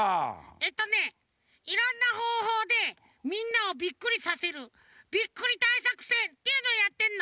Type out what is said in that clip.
えっとねいろんなほうほうでみんなをビックリさせるビックリだいさくせんっていうのをやってんの。